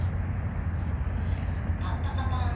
パンパカパーン